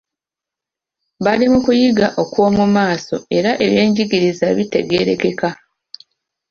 Bali mu kuyiga okw'omu maaso era ebyenjigiriza bitegeerekeka.